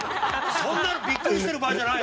そんなびっくりしてる場合じゃない。